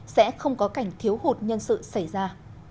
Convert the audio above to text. sẽ không có cảnh thiếu hụt nhân sự xảy ra